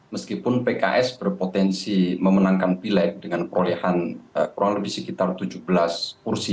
meskipun pks berpotensi memenangkan pileg dengan perolehan kurang lebih sekitar tujuh belas kursi